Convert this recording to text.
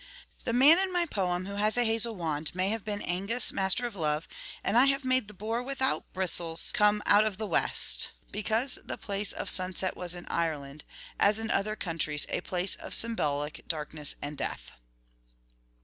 The man in my poem who has a hazel wand may have been Aengus, Master of Love; and I have made the boar without bristles come out of the West, because the place of sunset was in Ireland, as in other countries, a place of symbolic darkness and death.